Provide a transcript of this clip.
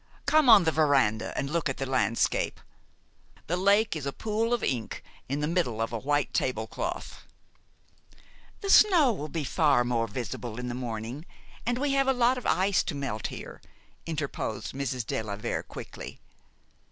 "Come on the veranda, and look at the landscape. The lake is a pool of ink in the middle of a white table cloth." "The snow will be far more visible in the morning, and we have a lot of ice to melt here," interposed Mrs. de la Vere quickly.